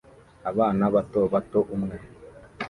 Abana bato bato umwe